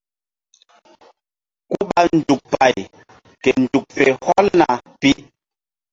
Ku ɓa nzuk pay ke nzuk fe hɔlna pi.